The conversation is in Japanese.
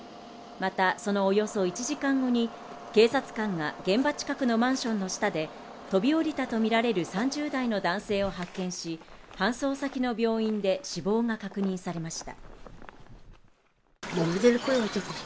またそのおよそ１時間後に、警察官が現場近くのマンションの下で飛び降りたとみられる３０代の男性を発見し、搬送先の病院で死亡が確認されました。